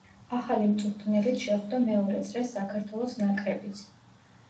ახალი მწვრთნელით შეხვდა მეორე წრეს საქართველოს ნაკრებიც.